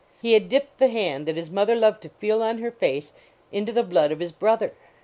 He had dipped the hand that his mother loved to feel on her face into the blood of his brother !